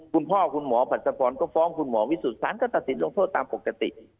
คุณพ่อคุณหมอผัดสะพรก็ฟ้องคุณหมอวิสุทธิสารก็ตัดสินลงโทษตามปกติ